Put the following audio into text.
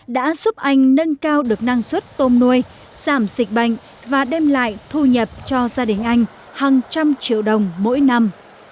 đã giúp anh nâng cao được năng suất tôm nuôi giảm dịch bệnh và đem lại thu nhập cho gia đình anh hàng trăm triệu đồng mỗi năm